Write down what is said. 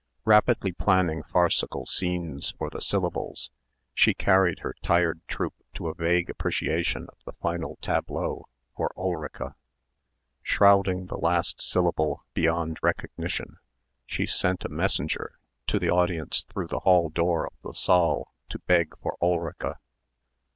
Rapidly planning farcical scenes for the syllables she carried her tired troupe to a vague appreciation of the final tableau for Ulrica. Shrouding the last syllable beyond recognition, she sent a messenger to the audience through the hall door of the saal to beg for Ulrica.